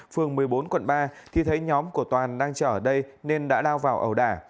phường một mươi bốn quận ba thì thấy nhóm của toàn đang trở ở đây nên đã lao vào ẩu đả